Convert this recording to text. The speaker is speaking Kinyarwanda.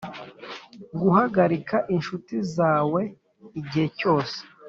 guhagarika inshuti zawe igihe cyose.